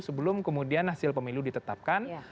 sebelum kemudian hasil pemilu ditetapkan